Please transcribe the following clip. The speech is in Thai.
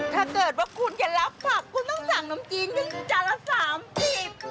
ถ้าเกิดว่าคุณจะรับผักคุณต้องสั่งนมจีนจานละ๓ถีบ